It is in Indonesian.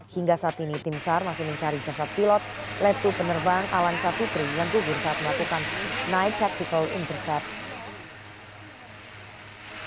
hingga saat ini tim sar masih mencari jasad pilot led to penerbang alan satukri yang tujuh saat melakukan night tactical intercept